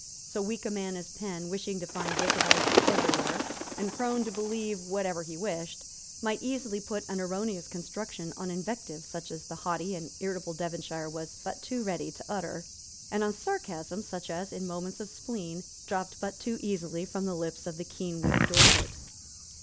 So weak a man as Penn, wishing to find Jacobites every where, and prone to believe whatever he wished, might easily put an erroneous construction on invectives such as the haughty and irritable Devonshire was but too ready to utter, and on sarcasms such as, in moments of spleen, dropped but too easily from the lips of the keenwitted Dorset.